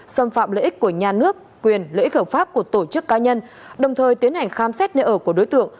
xâm phạm lợi ích của nhà nước quyền lợi ích hợp pháp của tổ chức cá nhân đồng thời tiến hành khám xét nơi ở của đối tượng